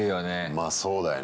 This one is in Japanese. まあそうだよね。